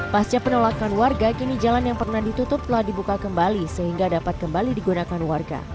pasca penolakan warga kini jalan yang pernah ditutup telah dibuka kembali sehingga dapat kembali digunakan warga